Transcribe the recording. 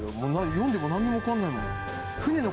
読んでもなんにも分かんない。